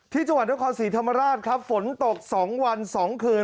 ที่จังหวัดนครศรีธรรมราชครับฝนตก๒วัน๒คืน